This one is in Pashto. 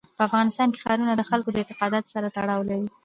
په افغانستان کې ښارونه د خلکو د اعتقاداتو سره تړاو لري.